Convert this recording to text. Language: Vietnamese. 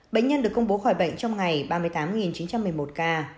bệnh nhân được công bố khỏi bệnh trong ngày ba mươi tám chín trăm một mươi một ca